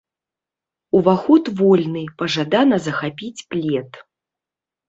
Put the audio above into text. Уваход вольны, пажадана захапіць плед.